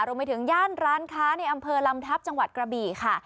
ย่านร้านค้าในอำเภอลำทัพจังหวัดกระบี่ค่ะ